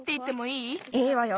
いいわよ